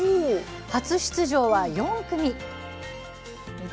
初出場は４組。